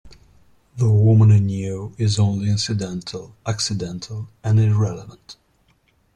The woman in you is only incidental, accidental, and irrelevant.